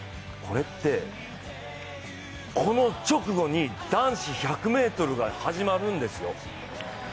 この直後に男子１００ｍが始まるんですよ。